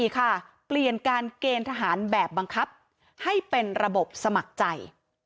เปลี่ยนการเกณฑ์ทหารแบบบังคับให้เป็นระบบสมัครใจ